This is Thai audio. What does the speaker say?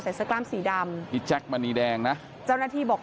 เสื้อกล้ามสีดำพี่แจ๊คมณีแดงนะเจ้าหน้าที่บอก